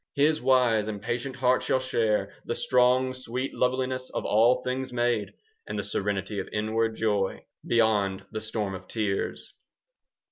His wise and patient heart shall share The strong sweet loveliness of all things made, 10 And the serenity of inward joy Beyond the storm of tears.